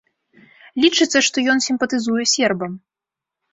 Лічыцца, што ён сімпатызуе сербам.